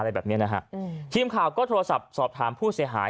ทีมข่าวก็โทรศัพท์สอบถามผู้เสียหาย